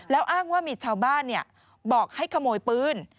แล้วอ้างว่ามีชาวบ้านบอกให้ขโมยปืน